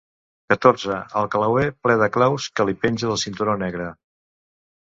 Catorze el clauer ple de claus que li penja del cinturó negre.